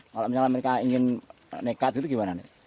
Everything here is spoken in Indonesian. kalau misalnya mereka ingin nekat itu gimana